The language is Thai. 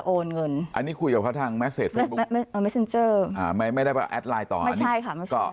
โอนเงินอะไรไปพระติกใช่ค่ะ